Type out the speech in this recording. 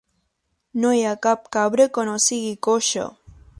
No hi ha cap cabra que no sigui coixa.